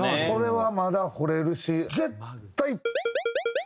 これはまだ掘れるし絶対。